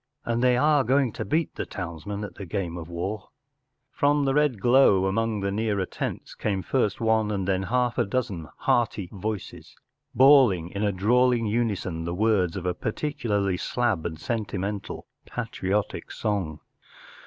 And they are going to beat the townsmen at the game of war ! ”* From the red glow among the nearer tents came first one and then half a dozen hearty voices, bawling in a drawling unison the words of a particularly slab and sentimental patriotic song.